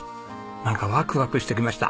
なんかワクワクしてきました。